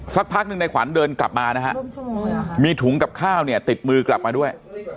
สักพักหนึ่งในขวัญเดินกลับมานะฮะมีถุงกับข้าวเนี่ยติดมือกลับมาด้วย